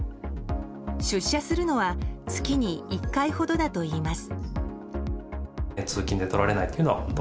出社するのは月に１回ほどだといいます。